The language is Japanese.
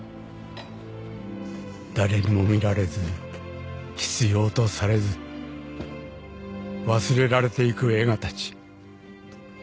［誰にも見られず必要とされず忘れられていく映画たち］